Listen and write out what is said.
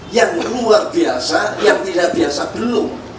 yang luar biasa yang tidak biasa belum